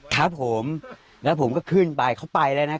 ครับผมแล้วผมก็ขึ้นไปเขาไปแล้วนะ